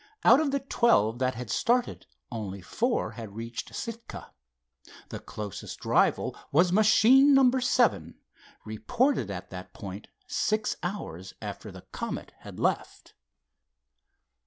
Out of the twelve that had started only four had reached Sitka. The closest rival was machine number seven, reported at that point six hours after the Comet had left.